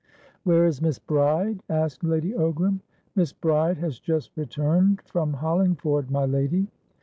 "Where is Miss Bride?" asked Lady Ogram. "Miss Bride has just returned from Hollingford, my lady."